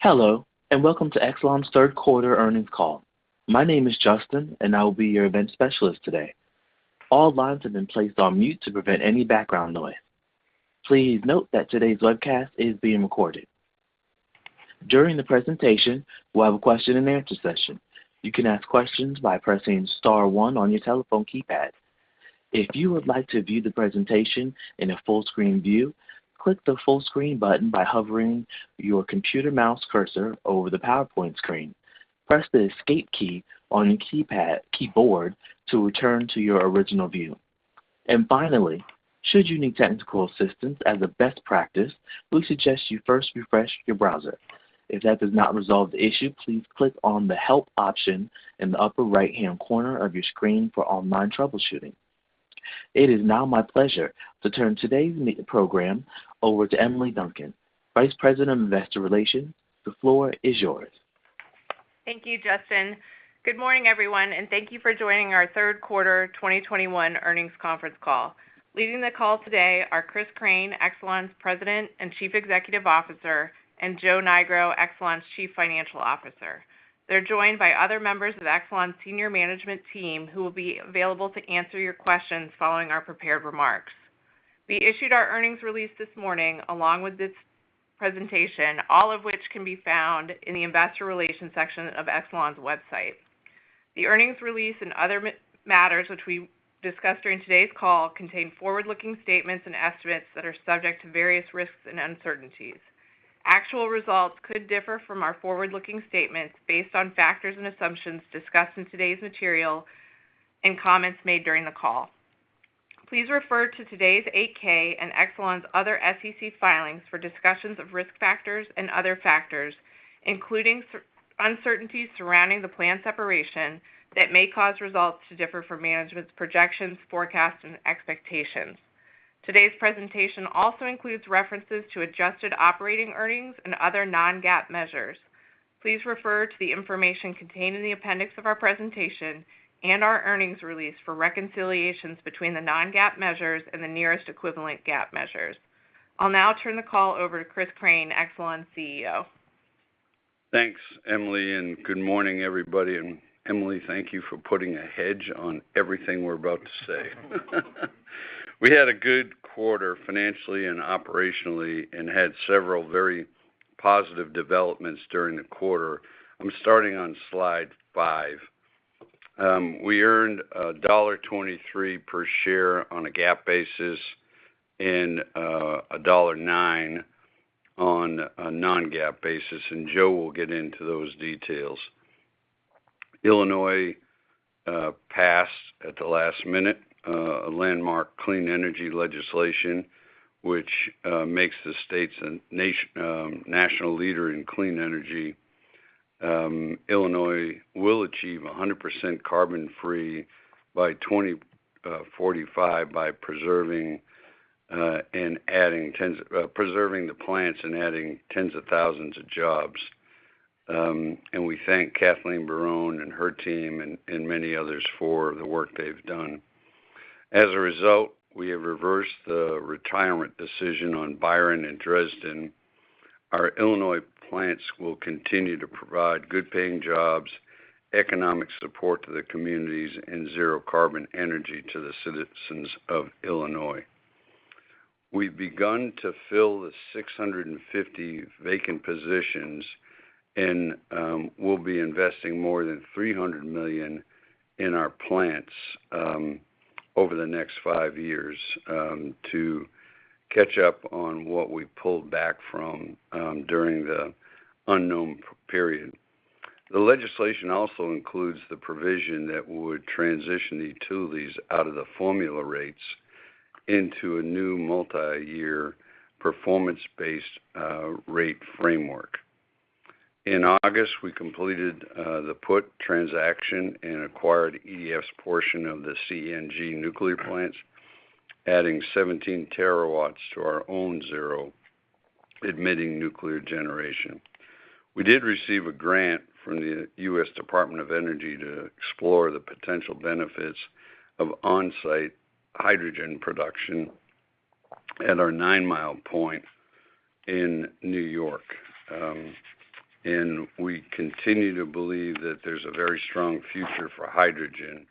Hello, and welcome to Exelon's Third Quarter Earnings Call. My name is Justin, and I will be your event specialist today. All lines have been placed on mute to prevent any background noise. Please note that today's webcast is being recorded. During the presentation, we'll have a question-and-answer session. You can ask questions by pressing star one on your telephone keypad. If you would like to view the presentation in a full screen view, click the full screen button by hovering your computer mouse cursor over the PowerPoint screen. Press the escape key on your keyboard to return to your original view. Finally, should you need technical assistance, as a best practice, we suggest you first refresh your browser. If that does not resolve the issue, please click on the Help option in the upper right-hand corner of your screen for online troubleshooting. It is now my pleasure to turn today's meeting program over to Emily Duncan, Vice President of Investor Relations. The floor is yours. Thank you, Justin. Good morning, everyone, and thank you for joining our Third Quarter 2021 Earnings Conference Call. Leading the call today are Chris Crane, Exelon's President and Chief Executive Officer, and Joe Nigro, Exelon's Chief Financial Officer. They're joined by other members of Exelon's Senior Management team, who will be available to answer your questions following our prepared remarks. We issued our earnings release this morning, along with this presentation, all of which can be found in the Investor Relations section of Exelon's website. The earnings release and other matters which we discuss during today's call contain forward-looking statements and estimates that are subject to various risks and uncertainties. Actual results could differ from our forward-looking statements based on factors and assumptions discussed in today's material and comments made during the call. Please refer to today's 8-K and Exelon's other SEC filings for discussions of risk factors and other factors, including uncertainties surrounding the planned separation that may cause results to differ from management's projections, forecasts and expectations. Today's presentation also includes references to adjusted operating earnings and other non-GAAP measures. Please refer to the information contained in the appendix of our presentation and our earnings release for reconciliations between the non-GAAP measures and the nearest equivalent GAAP measures. I'll now turn the call over to Chris Crane, Exelon's CEO. Thanks, Emily, and good morning, everybody. Emily, thank you for putting a hedge on everything we're about to say. We had a good quarter financially and operationally and had several very positive developments during the quarter. I'm starting on Slide 5. We earned $1.23 per share on a GAAP basis and $1.9 on a non-GAAP basis, and Joe will get into those details. Illinois passed at the last minute a landmark clean energy legislation, which makes the state a national leader in clean energy. Illinois will achieve 100% carbon-free by 2045 by preserving the plants and adding tens of thousands of jobs. We thank Kathleen Barrón and her team and many others for the work they've done. As a result, we have reversed the retirement decision on Byron and Dresden. Our Illinois plants will continue to provide good paying jobs, economic support to the communities and zero carbon energy to the citizens of Illinois. We've begun to fill the 650 vacant positions and we'll be investing more than $300 million in our plants over the next five years to catch up on what we pulled back from during the unknown period. The legislation also includes the provision that would transition the utilities out of the formula rates into a new multi-year performance-based rate framework. In August, we completed the put transaction and acquired EDF's portion of the CENG nuclear plants, adding 17 terawatts to our own zero emitting nuclear generation. We did receive a grant from the U.S. Department of Energy to explore the potential benefits of on-site hydrogen production at our Nine Mile Point in New York. We continue to believe that there's a very strong future for hydrogen.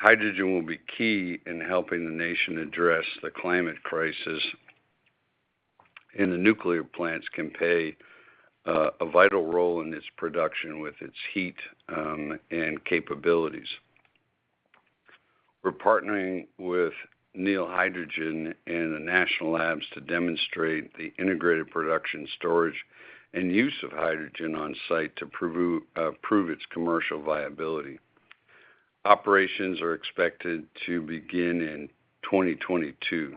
Hydrogen will be key in helping the nation address the climate crisis, and the nuclear plants can play a vital role in its production with its heat and capabilities. We're partnering with Nel Hydrogen and the national labs to demonstrate the integrated production storage and use of hydrogen on site to prove its commercial viability. Operations are expected to begin in 2022.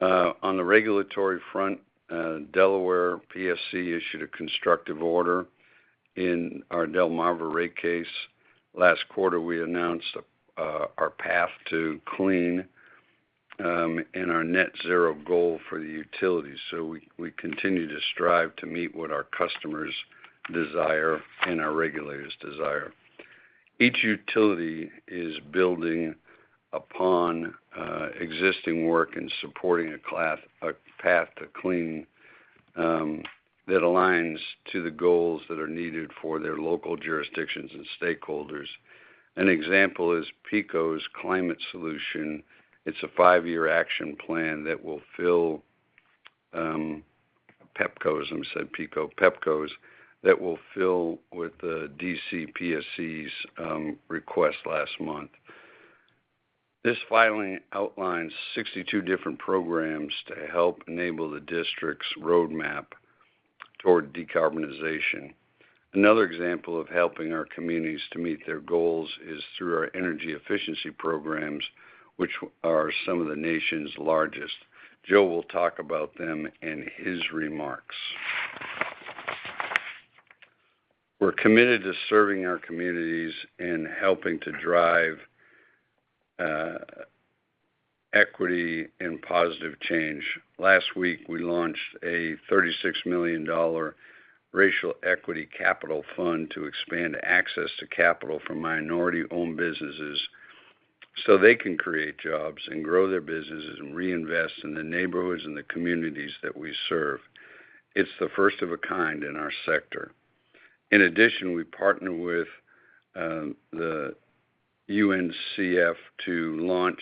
On the regulatory front, Delaware PSC issued a constructive order in our Delmarva rate case. Last quarter, we announced our path to clean and our net zero goal for the utility. We continue to strive to meet what our customers desire and our regulators desire. Each utility is building upon existing work and supporting a path to clean that aligns to the goals that are needed for their local jurisdictions and stakeholders. An example is Pepco's Climate Solution. It's a five-year action plan that will fulfill the DCPSC's request last month. This filing outlines 62 different programs to help enable the district's roadmap toward decarbonization. Another example of helping our communities to meet their goals is through our energy efficiency programs, which are some of the nation's largest. Joe will talk about them in his remarks. We're committed to serving our communities and helping to drive equity and positive change. Last week, we launched a $36 million racial equity capital fund to expand access to capital for minority-owned businesses, so they can create jobs and grow their businesses and reinvest in the neighborhoods and the communities that we serve. It's the first of a kind in our sector. In addition, we partnered with the UNCF to launch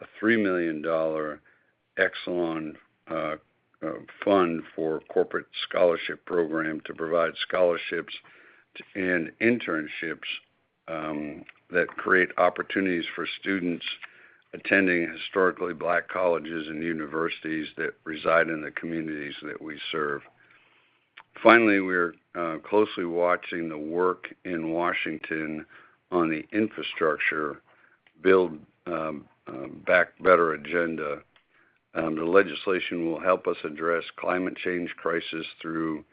a $3 million Exelon fund for corporate scholarship program to provide scholarships and internships that create opportunities for students attending historically Black colleges and universities that reside in the communities that we serve. Finally, we're closely watching the work in Washington on the infrastructure Build Back Better agenda. The legislation will help us address climate change crisis through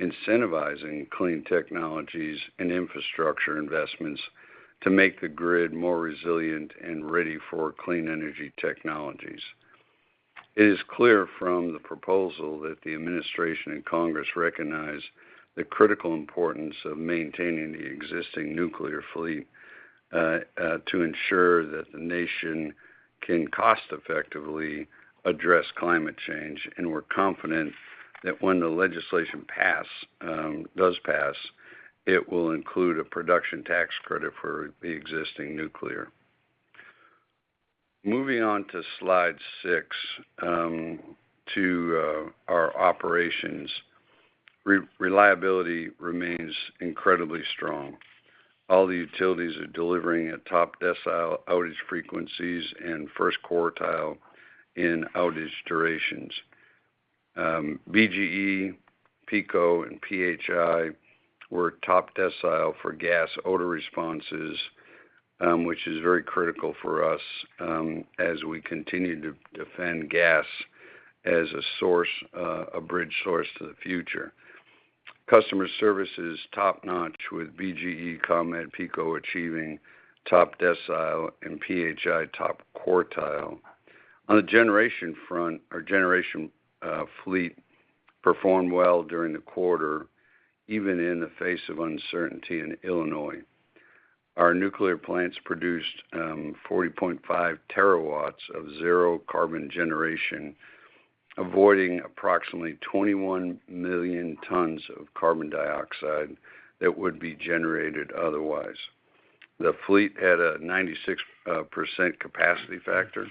incentivizing clean technologies and infrastructure investments to make the grid more resilient and ready for clean energy technologies. It is clear from the proposal that the administration and Congress recognize the critical importance of maintaining the existing nuclear fleet to ensure that the nation can cost-effectively address climate change, and we're confident that when the legislation does pass, it will include a production tax credit for the existing nuclear. Moving on to Slide 6, our operations. Reliability remains incredibly strong. All the utilities are delivering at top decile outage frequencies and first quartile in outage durations. BGE, PECO, and PHI were top decile for gas odor responses, which is very critical for us as we continue to defend gas as a bridge source to the future. Customer service is top-notch with BGE, ComEd, PECO achieving top decile and PHI top quartile. On the generation front, our generation fleet performed well during the quarter, even in the face of uncertainty in Illinois. Our nuclear plants produced 40.5 terawatt-hours of zero carbon generation, avoiding approximately 21 million tons of carbon dioxide that would be generated otherwise. The fleet had a 96% capacity factor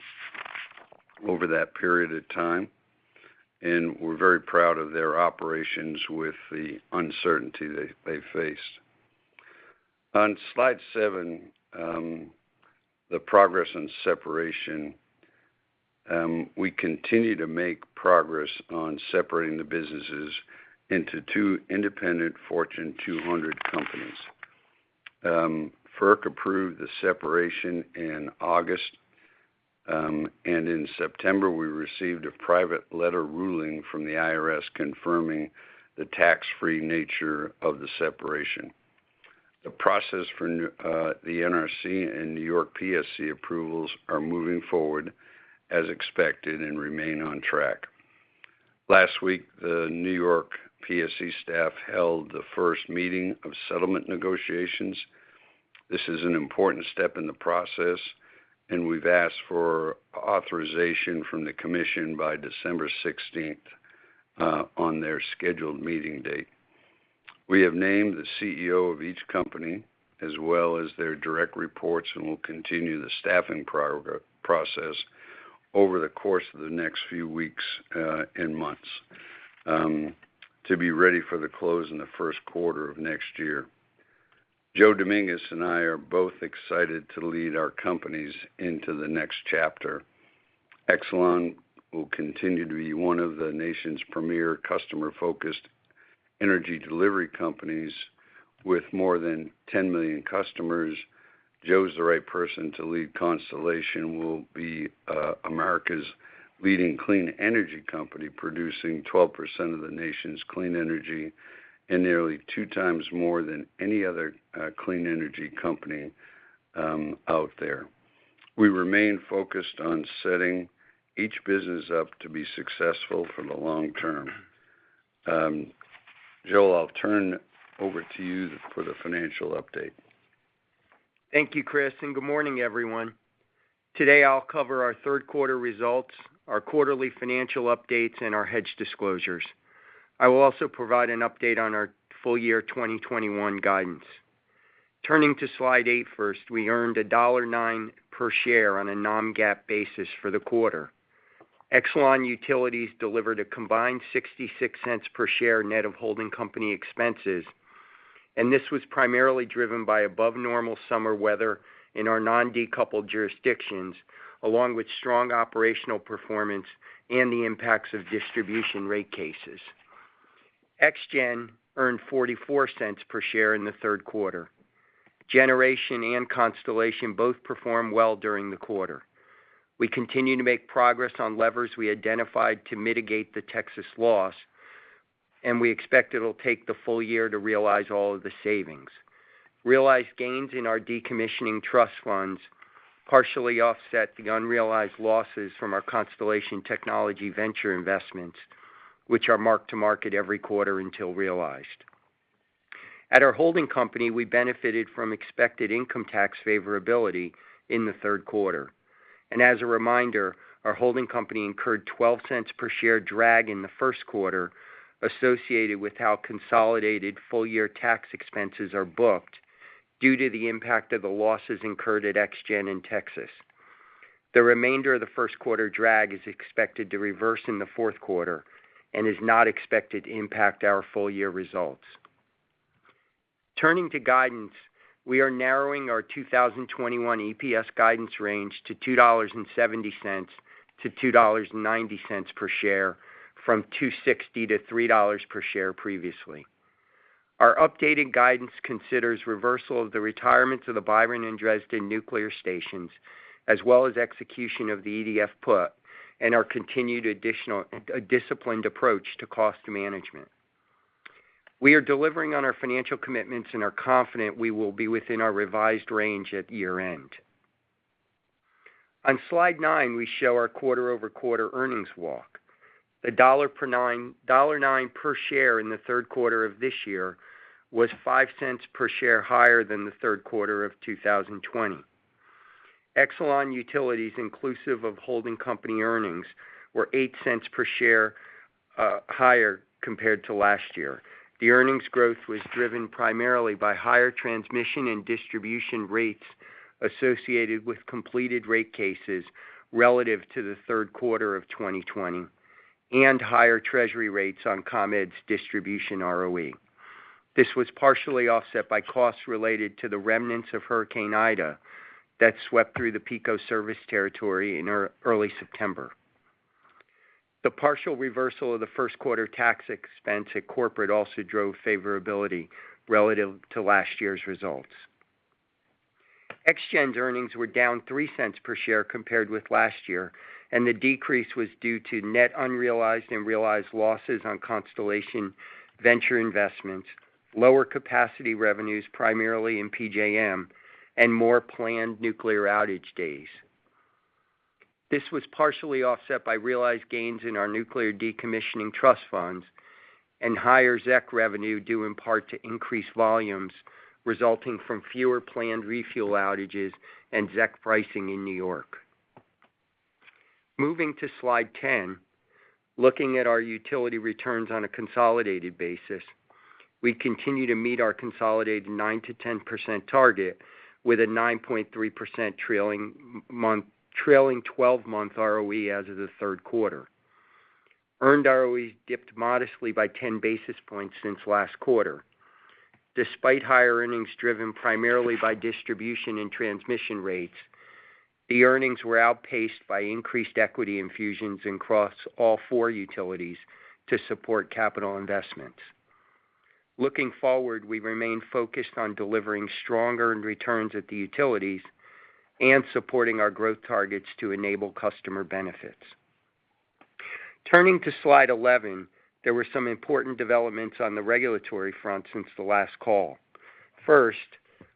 over that period of time, and we're very proud of their operations with the uncertainty they faced. On Slide 7, the progress and separation. We continue to make progress on separating the businesses into two independent Fortune 200 companies. FERC approved the separation in August, and in September, we received a private letter ruling from the IRS confirming the tax-free nature of the separation. The process for the NRC and New York PSC approvals are moving forward as expected and remain on track. Last week, the New York PSC staff held the first meeting of settlement negotiations. This is an important step in the process, and we've asked for authorization from the commission by December sixteenth on their scheduled meeting date. We have named the CEO of each company as well as their direct reports, and we'll continue the staffing process over the course of the next few weeks and months to be ready for the close in the first quarter of next year. Joe Dominguez and I are both excited to lead our companies into the next chapter. Exelon will continue to be one of the nation's premier customer-focused energy delivery companies with more than 10 million customers. Joe's the right person to lead Constellation, will be, America's leading clean energy company, producing 12% of the nation's clean energy and nearly two times more than any other, clean energy company, out there. We remain focused on setting each business up to be successful for the long term. Joe, I'll turn over to you for the financial update. Thank you, Chris, and good morning, everyone. Today, I'll cover our third quarter results, our quarterly financial updates, and our hedge disclosures. I will also provide an update on our full-year 2021 guidance. Turning to Slide 8 first, we earned $1.09 per share on a non-GAAP basis for the quarter. Exelon Utilities delivered a combined $0.66 per share net of holding company expenses, and this was primarily driven by above-normal summer weather in our non-decoupled jurisdictions, along with strong operational performance and the impacts of distribution rate cases. XGen earned $0.44 per share in the third quarter. Generation and Constellation both performed well during the quarter. We continue to make progress on levers we identified to mitigate the Texas loss, and we expect it'll take the full-year to realize all of the savings. Realized gains in our decommissioning trust funds partially offset the unrealized losses from our Constellation Technology Ventures investments, which are mark-to-market every quarter until realized. At our holding company, we benefited from expected income tax favorability in the third quarter. As a reminder, our holding company incurred $0.12 per share drag in the first quarter associated with how consolidated full-year tax expenses are booked due to the impact of the losses incurred at ExGen in Texas. The remainder of the first quarter drag is expected to reverse in the fourth quarter and is not expected to impact our full-year results. Turning to guidance, we are narrowing our 2021 EPS guidance range to $2.70 to $2.90 per share from $2.60 to $3 per share previously. Our updated guidance considers reversal of the retirements of the Byron and Dresden nuclear stations, as well as execution of the EDF put and our continued additional disciplined approach to cost management. We are delivering on our financial commitments and are confident we will be within our revised range at year-end. On Slide 9, we show our quarter-over-quarter earnings walk. $0.99 per share in the third quarter of this year was $0.05 per share higher than the third quarter of 2020. Exelon Utilities, inclusive of holding company earnings, were $0.08 per share higher compared to last year. The earnings growth was driven primarily by higher transmission and distribution rates associated with completed rate cases relative to the third quarter of 2020 and higher Treasury rates on ComEd's distribution ROE. This was partially offset by costs related to the remnants of Hurricane Ida that swept through the PECO service territory in early September. The partial reversal of the first quarter tax expense at corporate also drove favorability relative to last year's results. ExGen's earnings were down $0.03 per share compared with last year, and the decrease was due to net unrealized and realized losses on Constellation venture investments, lower capacity revenues primarily in PJM, and more planned nuclear outage days. This was partially offset by realized gains in our nuclear decommissioning trust funds and higher ZEC revenue, due in part to increased volumes resulting from fewer planned refuel outages and ZEC pricing in New York. Moving to Slide 10. Looking at our utility returns on a consolidated basis, we continue to meet our consolidated 9% to 10% target with a 9.3% trailing 12-month ROE as of the third quarter. Earned ROE dipped modestly by 10 basis points since last quarter. Despite higher earnings driven primarily by distribution and transmission rates, the earnings were outpaced by increased equity infusions across all four utilities to support capital investments. Looking forward, we remain focused on delivering stronger returns at the utilities and supporting our growth targets to enable customer benefits. Turning to Slide 11, there were some important developments on the regulatory front since the last call. First,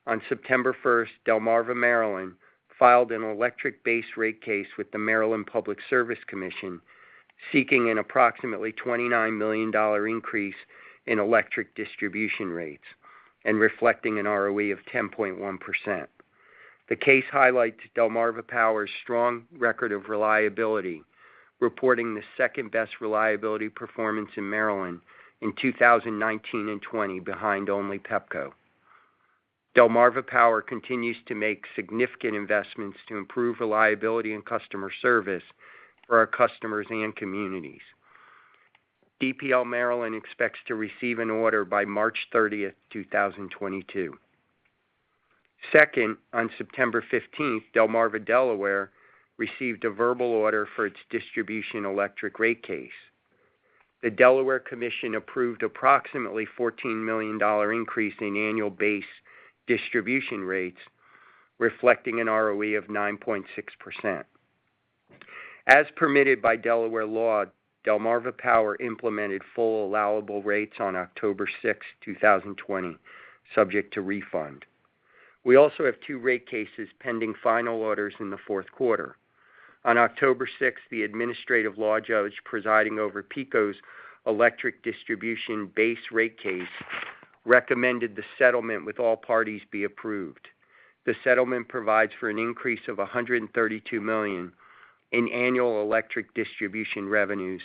on September 1, Delmarva Power Maryland filed an electric base rate case with the Maryland Public Service Commission, seeking an approximately $29 million increase in electric distribution rates and reflecting an ROE of 10.1%. The case highlights Delmarva Power's strong record of reliability, reporting the second-best reliability performance in Maryland in 2019 and 2020, behind only Pepco. Delmarva Power continues to make significant investments to improve reliability and customer service for our customers and communities. DPL Maryland expects to receive an order by March 30, 2022. Second, on September 15, Delmarva Delaware received a verbal order for its distribution electric rate case. The Delaware Commission approved approximately $14 million increase in annual base distribution rates, reflecting an ROE of 9.6%. As permitted by Delaware law, Delmarva Power implemented full allowable rates on October 6, 2020, subject to refund. We also have two rate cases pending final orders in the fourth quarter. On October 6, the administrative law judge presiding over PECO's electric distribution base rate case recommended the settlement with all parties be approved. The settlement provides for an increase of $132 million in annual electric distribution revenues,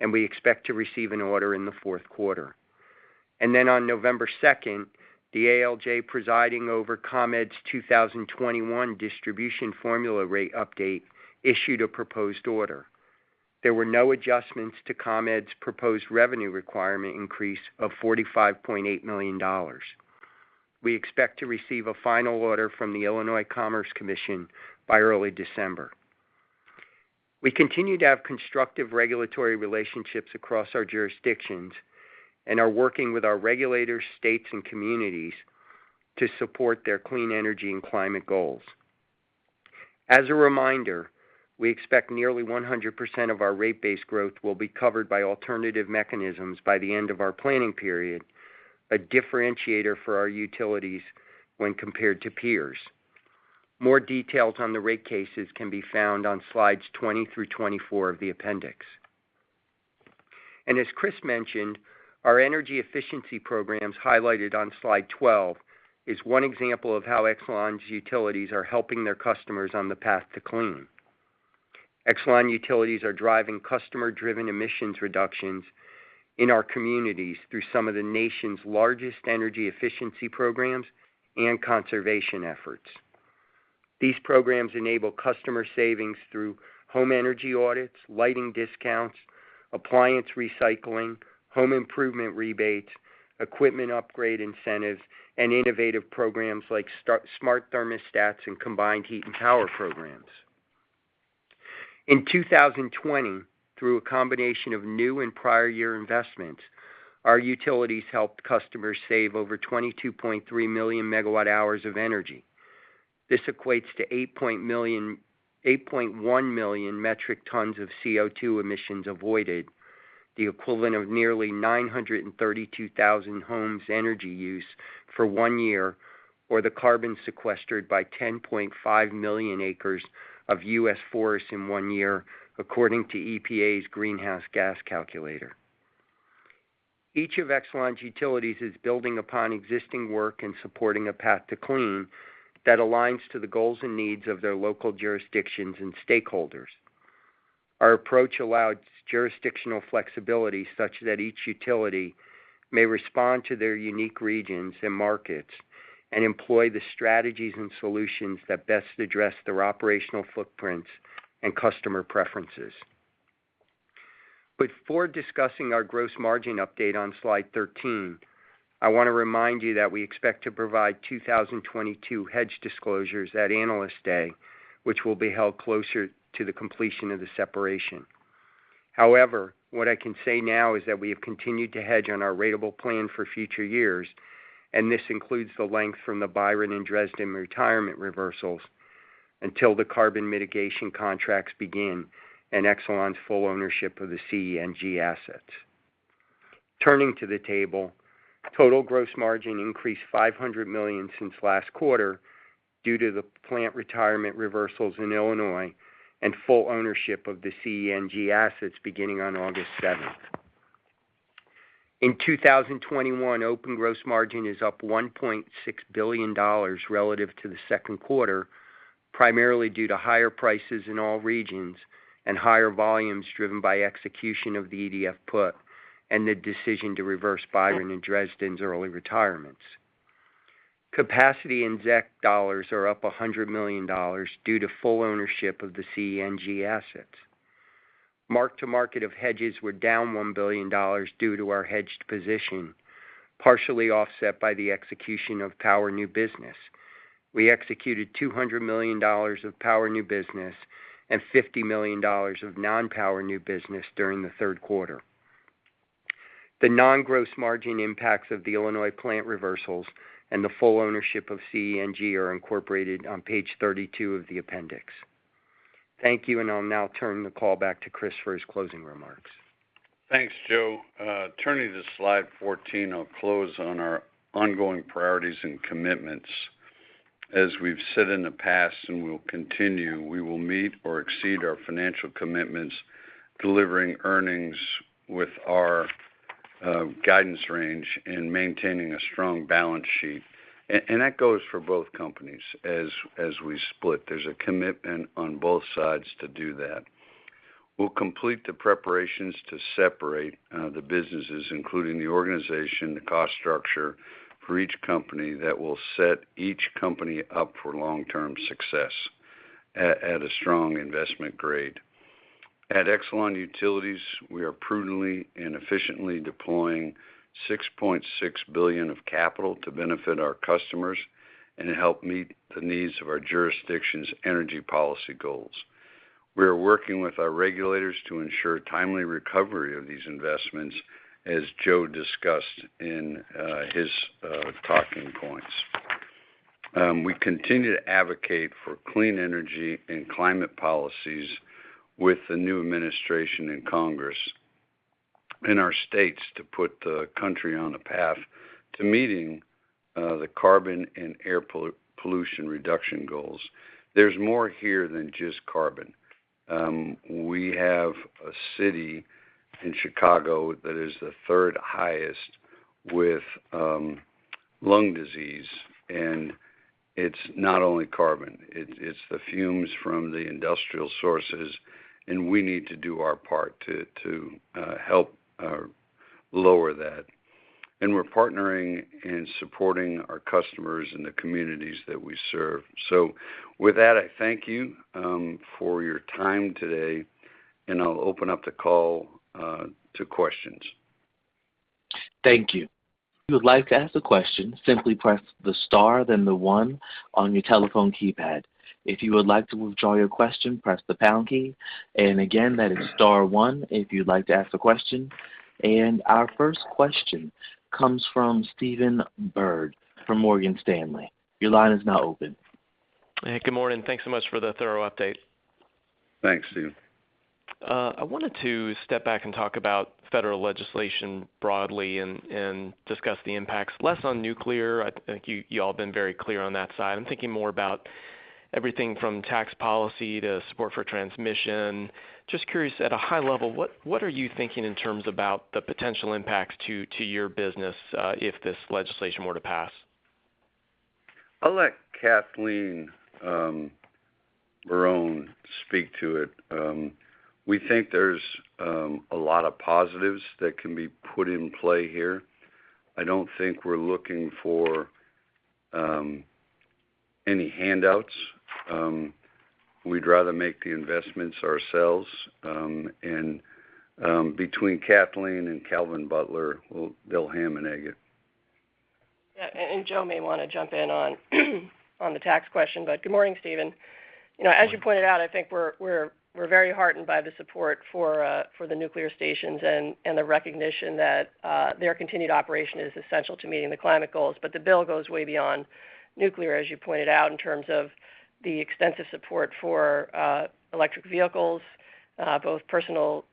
and we expect to receive an order in the fourth quarter. On November second, the ALJ presiding over ComEd's 2021 distribution formula rate update issued a proposed order. There were no adjustments to ComEd's proposed revenue requirement increase of $45.8 million. We expect to receive a final order from the Illinois Commerce Commission by early December. We continue to have constructive regulatory relationships across our jurisdictions and are working with our regulators, states, and communities to support their clean energy and climate goals. As a reminder, we expect nearly 100% of our rate base growth will be covered by alternative mechanisms by the end of our planning period, a differentiator for our utilities when compared to peers. More details on the rate cases can be found on Slides 20 through 24 of the appendix. As Chris mentioned, our energy efficiency programs highlighted on Slide 12 is one example of how Exelon's utilities are helping their customers on the path to clean. Exelon utilities are driving customer-driven emissions reductions in our communities through some of the nation's largest energy efficiency programs and conservation efforts. These programs enable customer savings through home energy audits, lighting discounts, appliance recycling, home improvement rebates, equipment upgrade incentives, and innovative programs like smart thermostats and combined heat and power programs. In 2020, through a combination of new and prior-year investments, our utilities helped customers save over 22.3 million MWh of energy. This equates to 8.1 million metric tons of CO₂ emissions avoided, the equivalent of nearly 932,000 homes' energy use for one year, or the carbon sequestered by 10.5 million acres of U.S. forests in one year, according to EPA's Greenhouse Gas Equivalencies Calculator. Each of Exelon's utilities is building upon existing work and supporting a path to clean that aligns to the goals and needs of their local jurisdictions and stakeholders. Our approach allows jurisdictional flexibility such that each utility may respond to their unique regions and markets and employ the strategies and solutions that best address their operational footprints and customer preferences. Before discussing our gross margin update on Slide 13, I want to remind you that we expect to provide 2022 hedge disclosures at Analyst Day, which will be held closer to the completion of the separation. However, what I can say now is that we have continued to hedge on our ratable plan for future years, and this includes the length from the Byron and Dresden retirement reversals until the carbon mitigation contracts begin and Exelon's full ownership of the CENG assets. Turning to the table, total gross margin increased $500 million since last quarter due to the plant retirement reversals in Illinois and full ownership of the CENG assets beginning on August 7. In 2021, open gross margin is up $1.6 billion relative to the second quarter, primarily due to higher prices in all regions and higher volumes driven by execution of the EDF put and the decision to reverse Byron and Dresden's early retirements. Capacity and ZEC dollars are up $100 million due to full ownership of the CENG assets. Mark-to-market of hedges were down $1 billion due to our hedged position, partially offset by the execution of power new business. We executed $200 million of power new business and $50 million of non-power new business during the third quarter. The non-gross margin impacts of the Illinois plant reversals and the full ownership of CENG are incorporated on page 32 of the appendix. Thank you, and I'll now turn the call back to Chris for his closing remarks. Thanks, Joe. Turning to Slide 14, I'll close on our ongoing priorities and commitments. As we've said in the past and will continue, we will meet or exceed our financial commitments, delivering earnings with our guidance range and maintaining a strong balance sheet. And that goes for both companies as we split. There's a commitment on both sides to do that. We'll complete the preparations to separate the businesses, including the organization, the cost structure for each company that will set each company up for long-term success at a strong investment grade. At Exelon Utilities, we are prudently and efficiently deploying $6.6 billion of capital to benefit our customers and to help meet the needs of our jurisdiction's energy policy goals. We are working with our regulators to ensure timely recovery of these investments, as Joe discussed in his talking points. We continue to advocate for clean energy and climate policies with the new administration in Congress in our states to put the country on a path to meeting the carbon and air pollution reduction goals. There's more here than just carbon. We have a city in Chicago that is the third highest with lung disease, and it's not only carbon, it's the fumes from the industrial sources, and we need to do our part to help lower that. We're partnering and supporting our customers in the communities that we serve. With that, I thank you for your time today, and I'll open up the call to questions. Thank you. If you would like to ask a question, simply press the star then the one on your telephone keypad. If you would like to withdraw your question, press the pound key. Again, that is star one if you'd like to ask a question. Our first question comes from Stephen Byrd from Morgan Stanley. Your line is now open. Hey, good morning. Thanks so much for the thorough update. Thanks, Steve. I wanted to step back and talk about federal legislation broadly and discuss the impacts less on nuclear. I think you all have been very clear on that side. I'm thinking more about everything from tax policy to support for transmission. Just curious, at a high level, what are you thinking in terms about the potential impacts to your business if this legislation were to pass? I'll let Kathleen Barrón speak to it. We think there's a lot of positives that can be put in play here. I don't think we're looking for any handouts. We'd rather make the investments ourselves. Between Kathleen and Calvin Butler, they'll ham and egg it. Joe may want to jump in on the tax question. Good morning, Stephen. You know, as you pointed out, I think we're very heartened by the support for the nuclear stations and the recognition that their continued operation is essential to meeting the climate goals. The bill goes way beyond nuclear, as you pointed out, in terms of the extensive support for electric vehicles, both personal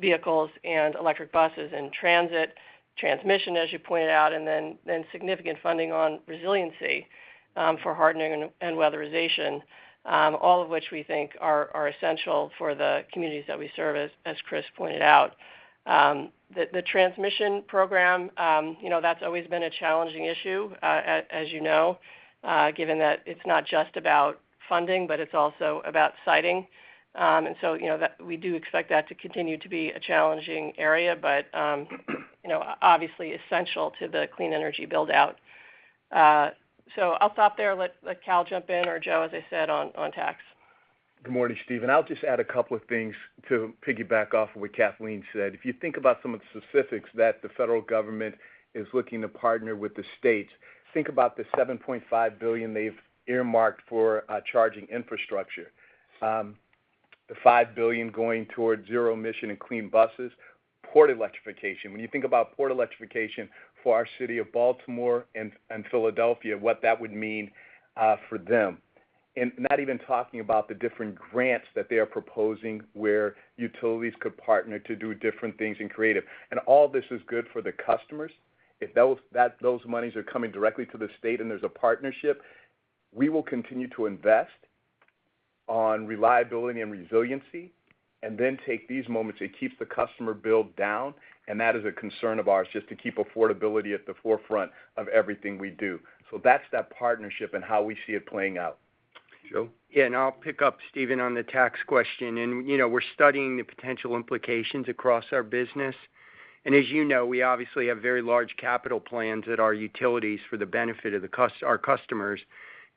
vehicles and electric buses and transit, transmission, as you pointed out, and then significant funding on resiliency for hardening and weatherization, all of which we think are essential for the communities that we serve, as Chris pointed out. The transmission program, you know, that's always been a challenging issue, as you know, given that it's not just about funding, but it's also about siting. You know, that we do expect that to continue to be a challenging area, but, you know, obviously essential to the clean energy build-out. I'll stop there and let Cal jump in, or Joe, as I said, on tax. Good morning, Stephen. I'll just add a couple of things to piggyback off of what Kathleen said. If you think about some of the specifics that the federal government is looking to partner with the states, think about the $7.5 billion they've earmarked for charging infrastructure. The $5 billion going towards zero-emission and clean buses. Port electrification. When you think about port electrification for our city of Baltimore and Philadelphia, what that would mean for them. Not even talking about the different grants that they are proposing, where utilities could partner to do different things creatively. All this is good for the customers. If those monies are coming directly to the state and there's a partnership, we will continue to invest in reliability and resiliency, and then take these moments. It keeps the customer bill down, and that is a concern of ours, just to keep affordability at the forefront of everything we do. That's that partnership and how we see it playing out. Joe? Yeah, I'll pick up, Stephen, on the tax question. You know, we're studying the potential implications across our business. As you know, we obviously have very large capital plans at our utilities for the benefit of our customers,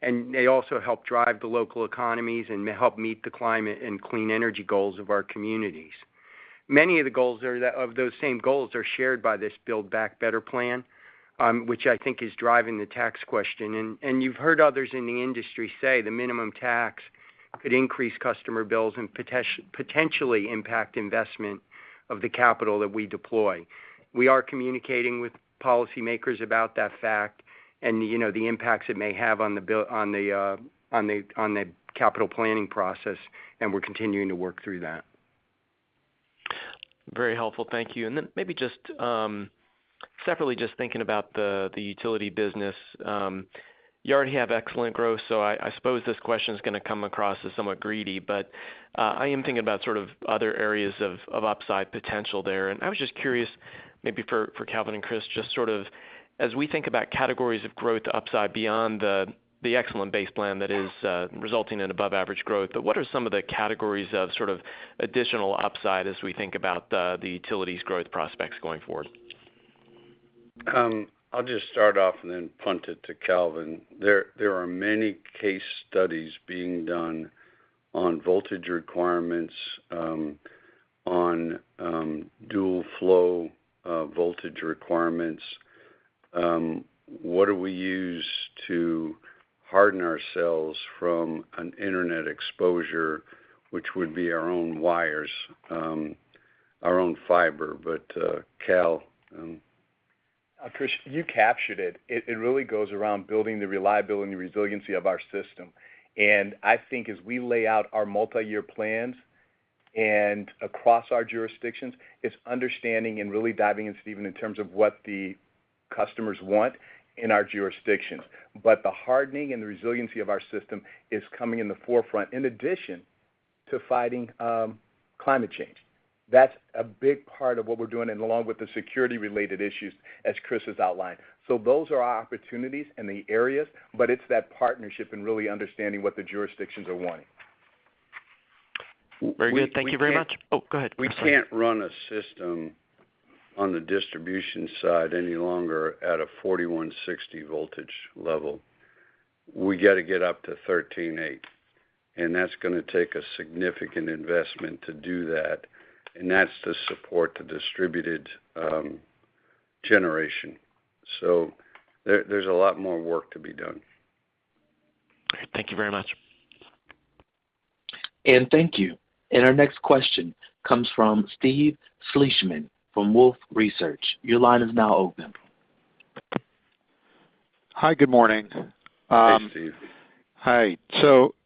and they also help drive the local economies and help meet the climate and clean energy goals of our communities. Many of the goals are of those same goals are shared by this Build Back Better plan, which I think is driving the tax question. You've heard others in the industry say the minimum tax could increase customer bills and potentially impact investment of the capital that we deploy. We are communicating with policymakers about that fact and, you know, the impacts it may have on the capital planning process, and we're continuing to work through that. Very helpful, thank you. Maybe just separately, just thinking about the utility business. You already have excellent growth, so I suppose this question is gonna come across as somewhat greedy. I am thinking about sort of other areas of upside potential there. I was just curious, maybe for Calvin and Chris, just sort of as we think about categories of growth upside beyond the excellent base plan that is resulting in above average growth, what are some of the categories of sort of additional upside as we think about the utilities growth prospects going forward? I'll just start off and then punt it to Calvin. There are many case studies being done on dual flow voltage requirements. What do we use to harden ourselves from an internet exposure, which would be our own wires, our own fiber. But, Cal. Chris, you captured it. It really goes around building the reliability and resiliency of our system. I think as we lay out our multi-year plans and across our jurisdictions, it's understanding and really diving into, even in terms of what the customers want in our jurisdictions. The hardening and the resiliency of our system is coming in the forefront, in addition to fighting climate change. That's a big part of what we're doing, and along with the security-related issues, as Chris has outlined. Those are our opportunities and the areas, but it's that partnership and really understanding what the jurisdictions are wanting. Very good. Thank you very much. We can't— Go ahead. I'm sorry. We can't run a system on the distribution side any longer at a 4,160 voltage level. We got to get up to 13.8, and that's gonna take a significant investment to do that, and that's to support the distributed generation. There's a lot more work to be done. All right. Thank you very much. Thank you. Our next question comes from Steve Fleishman from Wolfe Research. Your line is now open. Hi. Good morning. Hey, Steve. Hi.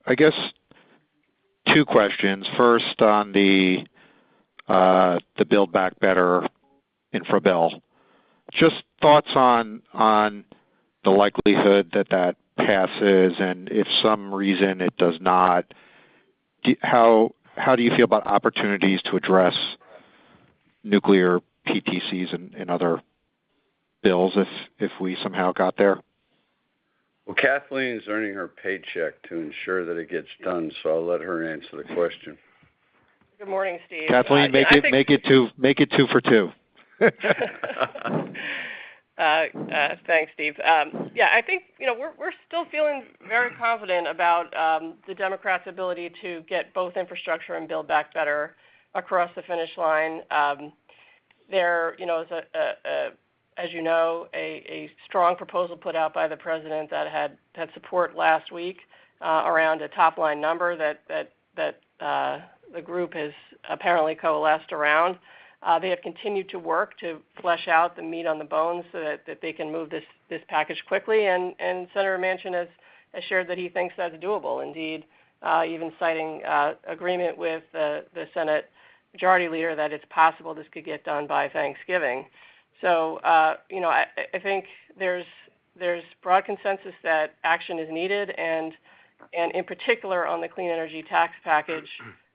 I guess two questions. First on the Build Back Better infra bill. Just thoughts on the likelihood that passes, and if some reason it does not, how do you feel about opportunities to address nuclear PTCs and other bills if we somehow got there? Well, Kathleen is earning her paycheck to ensure that it gets done, so I'll let her answer the question. Good morning, Steve. I think. Kathleen, make it two for two. Thanks, Steve. Yeah, I think, you know, we're still feeling very confident about the Democrats' ability to get both infrastructure and Build Back Better across the finish line. There, you know, is, as you know, a strong proposal put out by the President that had support last week around a top-line number that the group has apparently coalesced around. They have continued to work to flesh out the meat on the bones so that they can move this package quickly. Senator Manchin has assured that he thinks that's doable. Indeed, even citing agreement with the Senate majority leader that it's possible this could get done by Thanksgiving. You know, I think there's broad consensus that action is needed and in particular on the clean energy tax package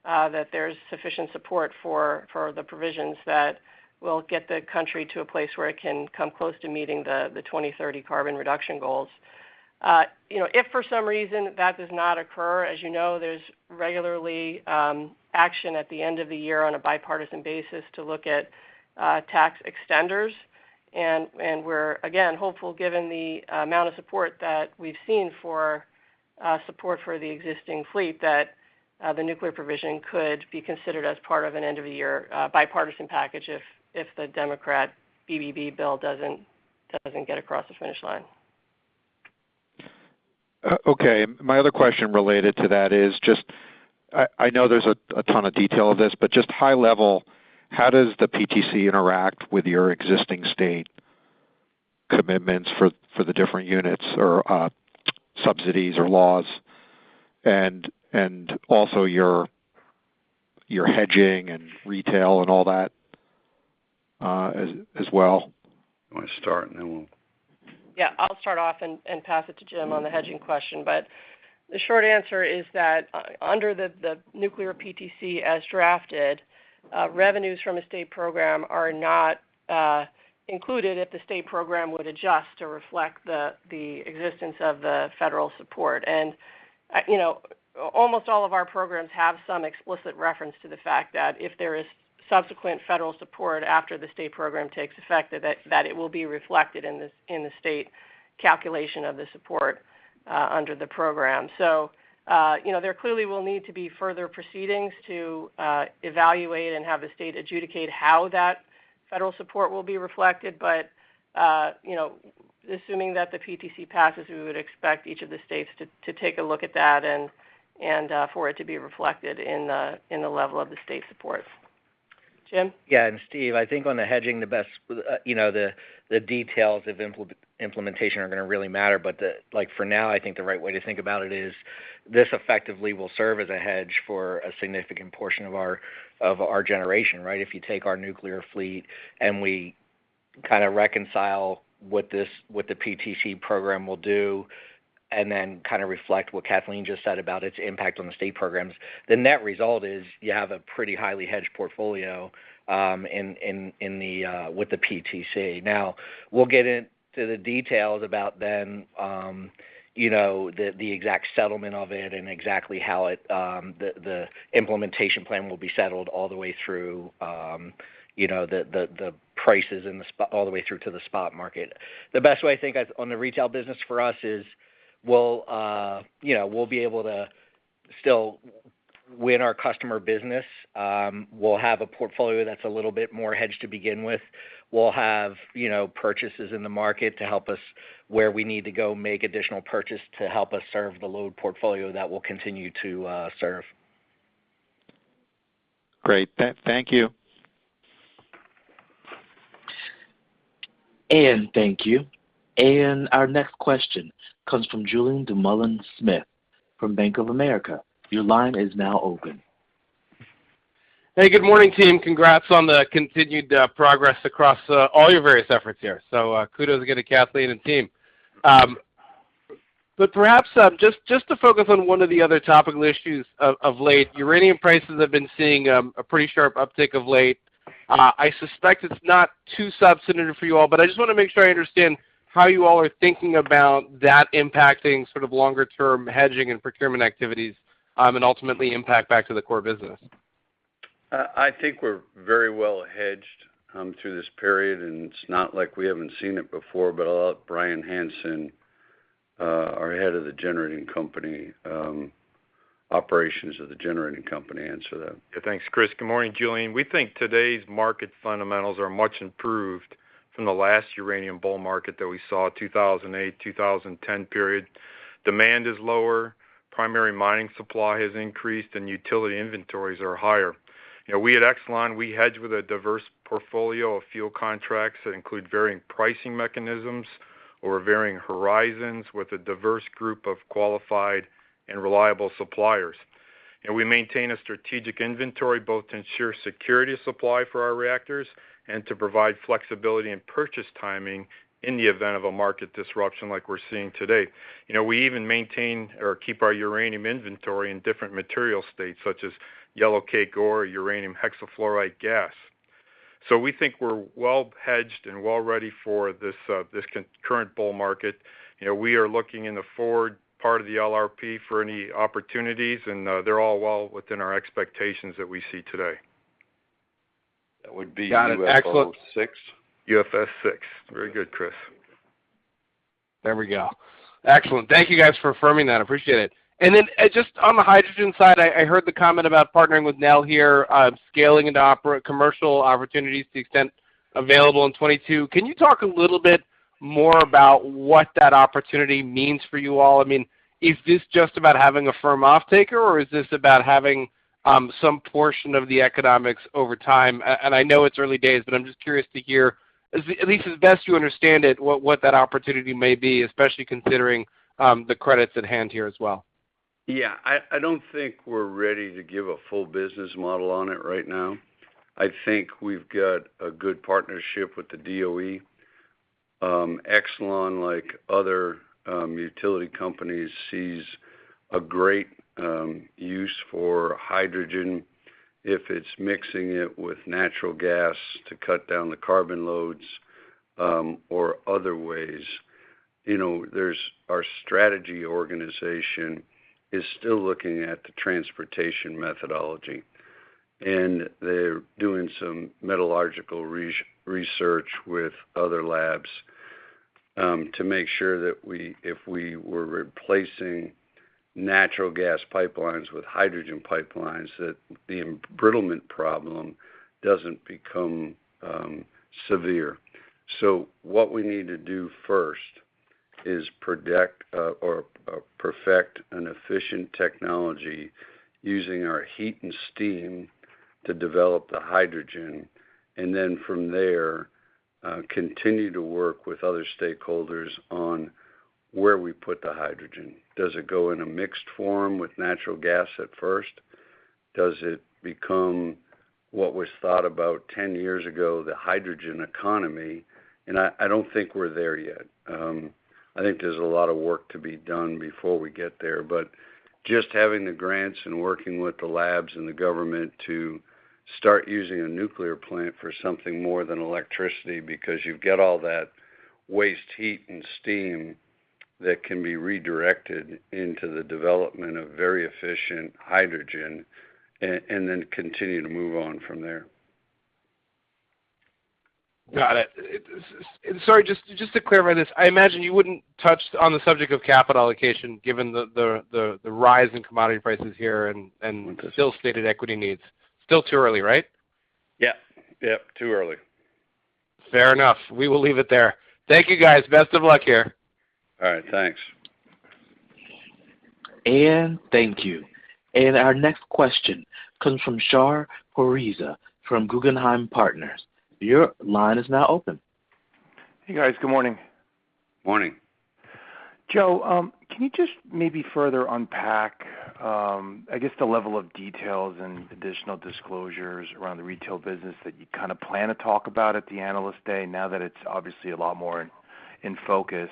that there's sufficient support for the provisions that will get the country to a place where it can come close to meeting the 2030 carbon reduction goals. You know, if for some reason that does not occur, as you know, there's regularly action at the end of the year on a bipartisan basis to look at tax extenders. We're again hopeful given the amount of support that we've seen for the existing fleet that the nuclear provision could be considered as part of an end-of-the-year bipartisan package if the Democratic BBB bill doesn't get across the finish line. Okay. My other question related to that is just I know there's a ton of detail of this, but just high level, how does the PTC interact with your existing state commitments for the different units or subsidies or laws and also your hedging and retail and all that, as well? You wanna start and then we'll— Yeah, I'll start off and pass it to Jim on the hedging question. The short answer is that under the nuclear PTC as drafted, revenues from a state program are not included if the state program would adjust to reflect the existence of the federal support. You know, almost all of our programs have some explicit reference to the fact that if there is subsequent federal support after the state program takes effect, that it will be reflected in the state calculation of the support under the program. You know, there clearly will need to be further proceedings to evaluate and have the state adjudicate how that federal support will be reflected. You know, assuming that the PTC passes, we would expect each of the states to take a look at that and for it to be reflected in the level of the state supports. Jim? Yeah. Steve, I think on the hedging, the best, you know, the details of implementation are gonna really matter. Like, for now, I think the right way to think about it is this effectively will serve as a hedge for a significant portion of our generation, right? If you take our nuclear fleet and we kind of reconcile what this, what the PTC program will do, and then kind of reflect what Kathleen just said about its impact on the state programs, the net result is you have a pretty highly hedged portfolio with the PTC. Now, we'll get into the details about then, you know, the exact settlement of it and exactly how it, the implementation plan will be settled all the way through, you know, the prices and all the way through to the spot market. The best way I think on the Retail business for us is we'll, you know, be able to still win our customer business. We'll have a portfolio that's a little bit more hedged to begin with. We'll have, you know, purchases in the market to help us where we need to go make additional purchase to help us serve the load portfolio that we'll continue to serve. Great. Thank you. Thank you. Our next question comes from Julien Dumoulin-Smith from Bank of America. Your line is now open. Hey, good morning, team. Congrats on the continued progress across all your various efforts here. Kudos again to Kathleen and team. Perhaps just to focus on one of the other topical issues of late, uranium prices have been seeing a pretty sharp uptick of late. I suspect it's not too substantive for you all, but I just wanna make sure I understand how you all are thinking about that impacting sort of longer term hedging and procurement activities, and ultimately impact back to the core business. I think we're very well hedged through this period, and it's not like we haven't seen it before. I'll let Bryan Hanson, our head of operations of the generating company answer that. Yeah. Thanks, Chris. Good morning, Julien. We think today's market fundamentals are much improved from the last uranium bull market that we saw, 2008, 2010 period. Demand is lower, primary mining supply has increased, and utility inventories are higher. You know, we at Exelon, we hedge with a diverse portfolio of fuel contracts that include varying pricing mechanisms over varying horizons with a diverse group of qualified and reliable suppliers. We maintain a strategic inventory both to ensure security of supply for our reactors and to provide flexibility and purchase timing in the event of a market disruption like we're seeing today. You know, we even maintain or keep our uranium inventory in different material states, such as yellowcake or uranium hexafluoride gas. We think we're well hedged and well ready for this concurrent bull market. You know, we are looking in the forward part of the LRP for any opportunities, and they're all well within our expectations that we see today. That would be UF6. UF6. Very good, Chris. There we go. Excellent. Thank you guys for affirming that. Appreciate it. Then just on the hydrogen side, I heard the comment about partnering with Nel here, scaling into commercial opportunities to the extent available in 2022. Can you talk a little bit more about what that opportunity means for you all? I mean, is this just about having a firm offtaker, or is this about having some portion of the economics over time? And I know it's early days, but I'm just curious to hear, at least as best you understand it, what that opportunity may be, especially considering the credits at hand here as well. Yeah. I don't think we're ready to give a full business model on it right now. I think we've got a good partnership with the DOE. Exelon, like other utility companies, sees a great use for hydrogen if it's mixing it with natural gas to cut down the carbon loads or other ways. You know, our strategy organization is still looking at the transportation methodology, and they're doing some metallurgical research with other labs to make sure that we, if we were replacing natural gas pipelines with hydrogen pipelines, that the embrittlement problem doesn't become severe. What we need to do first is predict or perfect an efficient technology using our heat and steam to develop the hydrogen, and then from there continue to work with other stakeholders on where we put the hydrogen. Does it go in a mixed form with natural gas at first? Does it become what was thought about 10 years ago, the hydrogen economy? I don't think we're there yet. I think there's a lot of work to be done before we get there. Just having the grants and working with the labs and the government to start using a nuclear plant for something more than electricity because you get all that waste heat and steam that can be redirected into the development of very efficient hydrogen and then continue to move on from there. Got it. Sorry, just to clarify this, I imagine you wouldn't touch on the subject of capital allocation given the rise in commodity prices here and still stated equity needs. Still too early, right? Yeah. Yeah, too early. Fair enough. We will leave it there. Thank you, guys. Best of luck here. All right. Thanks. Thank you. Our next question comes from Shar Pourreza from Guggenheim Partners. Your line is now open. Hey, guys. Good morning. Morning. Joe, can you just maybe further unpack, I guess the level of details and additional disclosures around the Retail business that you kind of plan to talk about at the Analyst Day now that it's obviously a lot more in focus?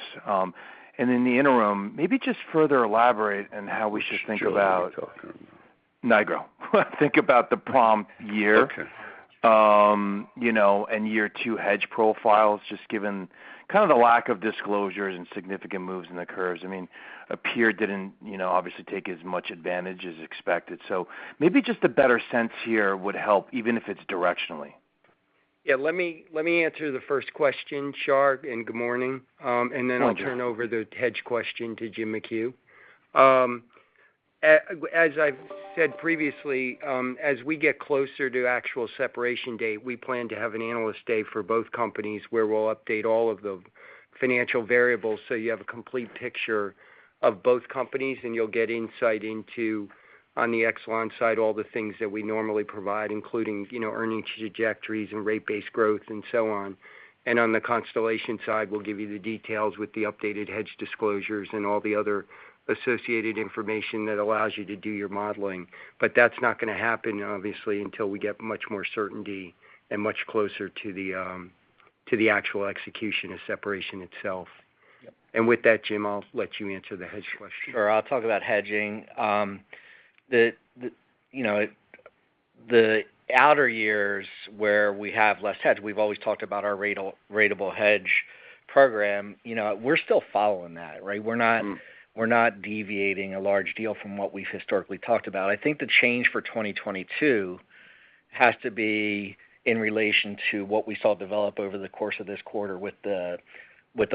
In the interim, maybe just further elaborate on how we should think about Nigro. Think about the POM year, you know, year two hedge profiles, just given kind of the lack of disclosures and significant moves in the curves. I mean, a peer didn't, you know, obviously take as much advantage as expected. Maybe just a better sense here would help, even if it's directionally. Yeah. Let me answer the first question, Shar, and good morning. Then— No problem. I'll turn over the hedge question to Jim McHugh. As I've said previously, as we get closer to actual separation date, we plan to have an analyst day for both companies where we'll update all of the financial variables, so you have a complete picture of both companies, and you'll get insight into, on the Exelon side, all the things that we normally provide, including, you know, earnings trajectories and rate-based growth and so on. On the Constellation side, we'll give you the details with the updated hedge disclosures and all the other associated information that allows you to do your modeling. That's not gonna happen, obviously, until we get much more certainty and much closer to the actual execution of separation itself. Yep. With that, Jim, I'll let you answer the hedge question. Sure. I'll talk about hedging. The you know, the outer years where we have less hedge, we've always talked about our ratable hedge program. You know, we're still following that, right? We're not deviating a large deal from what we've historically talked about. I think the change for 2022 has to be in relation to what we saw develop over the course of this quarter with the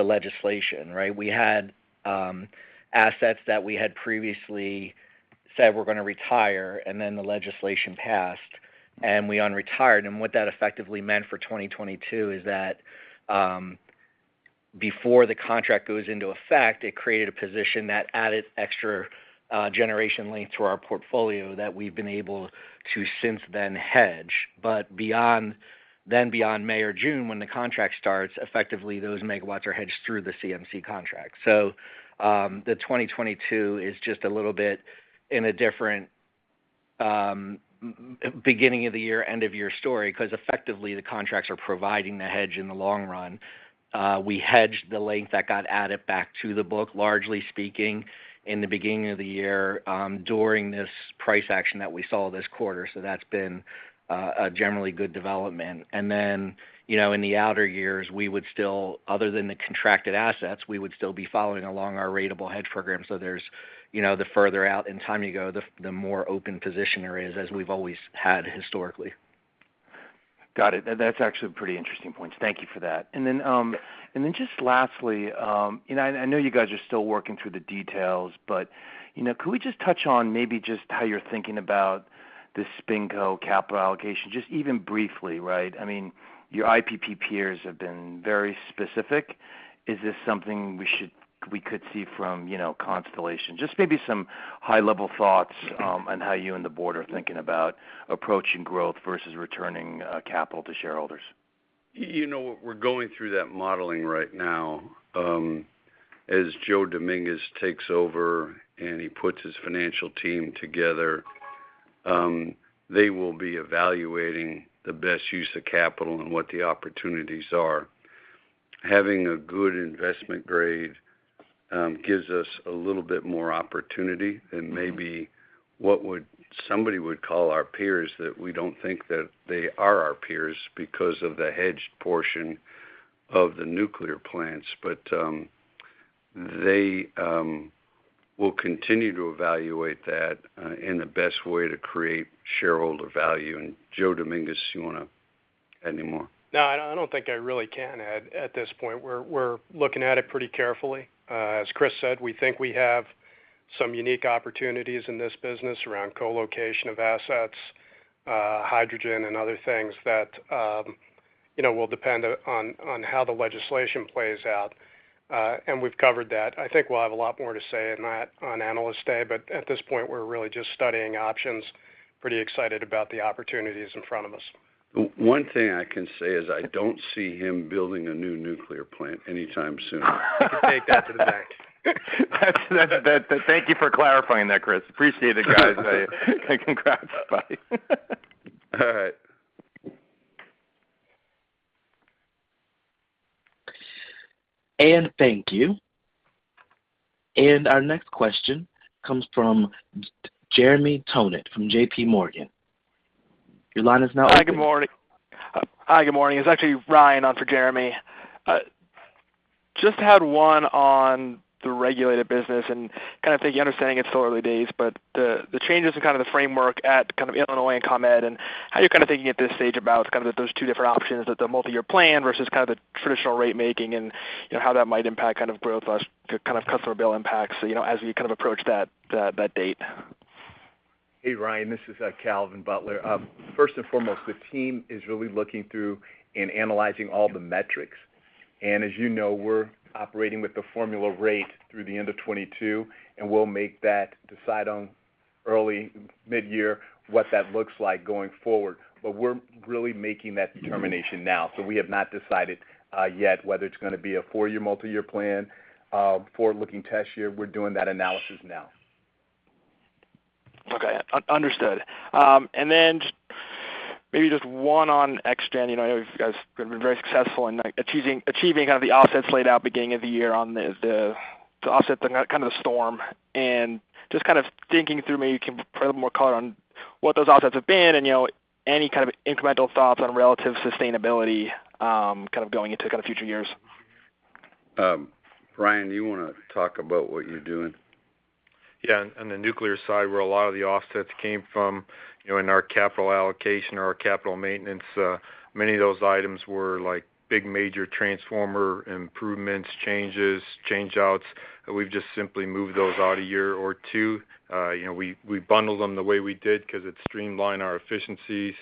legislation, right? We had assets that we had previously said we're gonna retire, and then the legislation passed, and we unretired. What that effectively meant for 2022 is that, before the contract goes into effect, it created a position that added extra generation length to our portfolio that we've been able to since then hedge. Then beyond May or June when the contract starts, effectively, those megawatts are hedged through the CMC contract. The 2022 is just a little bit in a different beginning of the year, end of year story, 'cause effectively, the contracts are providing the hedge in the long run. We hedged the length that got added back to the book, largely speaking, in the beginning of the year, during this price action that we saw this quarter. That's been a generally good development. You know, in the outer years, we would still, other than the contracted assets, we would still be following along our ratable hedge program. There's, you know, the further out in time you go, the more open position there is, as we've always had historically. Got it. That's actually a pretty interesting point. Thank you for that. Then just lastly, I know you guys are still working through the details, but you know, could we just touch on maybe just how you're thinking about the SpinCo capital allocation, just even briefly, right? I mean, your IPP peers have been very specific. Is this something we could see from, you know, Constellation? Just maybe some high-level thoughts on how you and the board are thinking about approaching growth versus returning capital to shareholders. You know, we're going through that modeling right now. As Joe Dominguez takes over and he puts his financial team together, they will be evaluating the best use of capital and what the opportunities are. Having a good investment grade gives us a little bit more opportunity than maybe somebody would call our peers that we don't think that they are our peers because of the hedged portion of the nuclear plants. They will continue to evaluate that in the best way to create shareholder value. Joe Dominguez, you wanna add any more? No, I don't think I really can add at this point. We're looking at it pretty carefully. As Chris said, we think we have some unique opportunities in this business around co-location of assets, hydrogen and other things that, you know, will depend on how the legislation plays out. We've covered that. I think we'll have a lot more to say in that on Analyst Day, but at this point, we're really just studying options. Pretty excited about the opportunities in front of us. One thing I can say is I don't see him building a new nuclear plant anytime soon. You can take that to the bank. That's. Thank you for clarifying that, Chris. Appreciate it, guys. Congrats. Bye. All right. Thank you. Our next question comes from Jeremy Tonet from J.P. Morgan. Your line is now open. Hi, good morning. It's actually Ryan on for Jeremy. Just had one on the regulated business and kind of thinking, understanding it's still early days, but the changes in kind of the framework at kind of Illinois and ComEd, and how you're kind of thinking at this stage about kind of those two different options, the multi-year plan versus kind of the traditional rate making and, you know, how that might impact kind of growth or kind of customer bill impacts, you know, as we kind of approach that date. Hey, Ryan, this is Calvin Butler. First and foremost, the team is really looking through and analyzing all the metrics. As you know, we're operating with the formula rate through the end of 2022, and we'll make that decision on early mid-year what that looks like going forward. We're really making that determination now. We have not decided yet whether it's gonna be a four-year multi-year plan, forward-looking test year. We're doing that analysis now. Okay. Understood. Then just maybe one on ExGen. You guys have been very successful in achieving kind of the offsets laid out beginning of the year on the offsets and kind of the storm. Just thinking through, maybe you can provide a little more color on what those offsets have been and any kind of incremental thoughts on relative sustainability, kind of going into future years. Bryan, do you wanna talk about what you're doing? Yeah. On the nuclear side, where a lot of the offsets came from, you know, in our capital allocation or our capital maintenance, many of those items were like big major transformer improvements, changes, change outs, and we've just simply moved those out a year or two. You know, we bundle them the way we did 'cause it streamline our efficiencies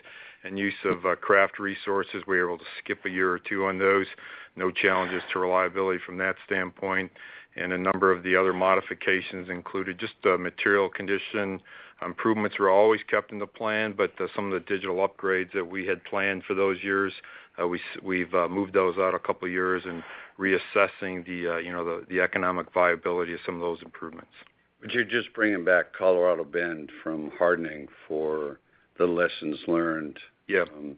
and use of craft resources. We're able to skip a year or two on those. No challenges to reliability from that standpoint. A number of the other modifications included just material condition improvements. Improvements were always kept in the plan, but some of the digital upgrades that we had planned for those years, we've moved those out a couple years and reassessing the, you know, the economic viability of some of those improvements. You're just bringing back Colorado Bend from hardening for the lessons learned. Yeah. In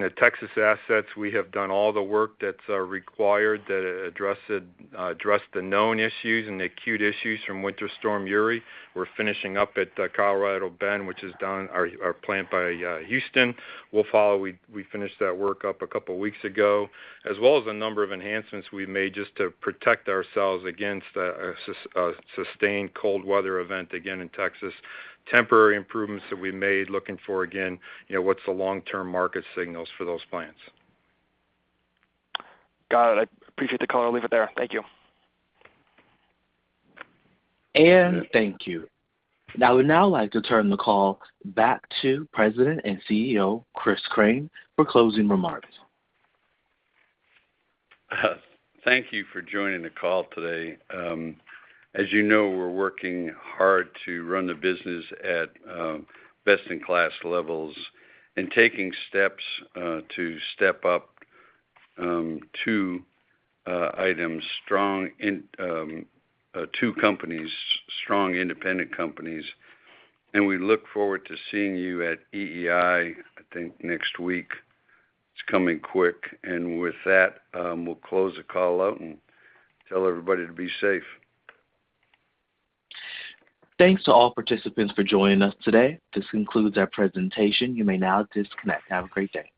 the Texas assets, we have done all the work that's required to address the known issues and the acute issues from Winter Storm Uri. We're finishing up at Colorado Bend, which is done, our plant by Houston. We finished that work up a couple weeks ago, as well as a number of enhancements we made just to protect ourselves against a sustained cold weather event again in Texas. Temporary improvements that we made looking for, again, you know, what's the long-term market signals for those plants. Got it. I appreciate the call. I'll leave it there. Thank you. Thank you. I would now like to turn the call back to President and CEO, Chris Crane, for closing remarks. Thank you for joining the call today. As you know, we're working hard to run the business at best-in-class levels and taking steps to separate into two strong independent companies. We look forward to seeing you at EEI. I think next week. It's coming quick. With that, we'll close the call out and tell everybody to be safe. Thanks to all participants for joining us today. This concludes our presentation. You may now disconnect. Have a great day.